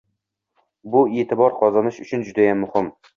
Bu, e’tibor qozonish uchun judayam muhim.